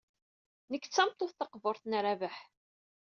Nekk d tameṭṭut taqburt n Rabaḥ.